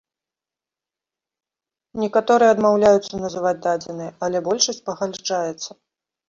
Некаторыя адмаўляюцца называць дадзеныя, але большасць пагаджаецца.